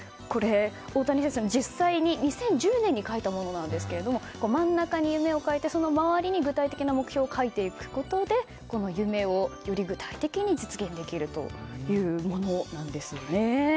大谷選手が実際に２０１０年に書いたものなんですが真ん中に夢を描いてその周りに具体的な目標を書いていくことで夢をより具体的に実現できるというものなんですね。